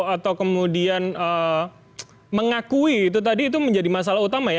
atau kemudian mengakui itu tadi itu menjadi masalah utama ya